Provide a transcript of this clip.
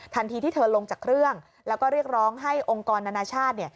ที่เธอลงจากเครื่องแล้วก็เรียกร้องให้องค์กรนานาชาติ